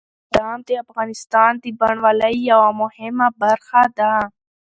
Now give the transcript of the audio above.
بادام د افغانستان د بڼوالۍ یوه مهمه برخه ده.